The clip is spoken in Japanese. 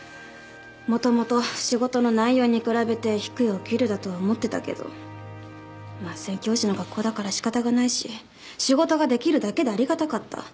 元々仕事の内容に比べて低いお給料だと思ってたけどまあ宣教師の学校だから仕方がないし仕事ができるだけでありがたかった。